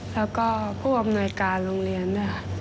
แล้วก็ผู้อำนวยการโรงเรียน